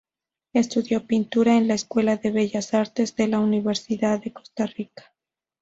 Estudió pintura en la Escuela de Bellas Artes de la Universidad de Costa Rica.